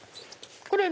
これ。